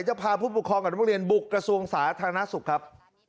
จะพาผู้ปกครองกับโรงเรียนบุกกระทรวงศาลน้าศุกร์ครับ